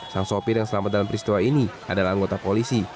sang sopir yang selamat dalam peristiwa ini adalah anggota polisi